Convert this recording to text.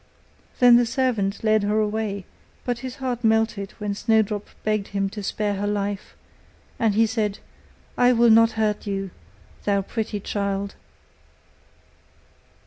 Then the servant led her away; but his heart melted when Snowdrop begged him to spare her life, and he said, 'I will not hurt you, thou pretty child.